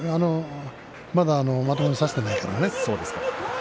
まだまともに差していないからね。